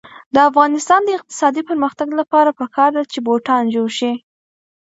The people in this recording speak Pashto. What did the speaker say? د افغانستان د اقتصادي پرمختګ لپاره پکار ده چې بوټان جوړ شي.